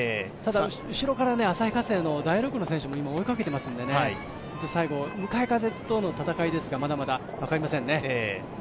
ただ、後ろから旭化成の大六野選手も今、追いかけていますので、最後、向かい風との戦いですが、まだまだ分かりませんね。